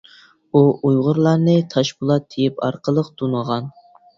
ئۇ ئۇيغۇرلارنى تاشپولات تېيىپ ئارقىلىق تونۇغان.